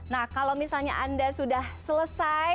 nah kalau misalnya anda sudah selesai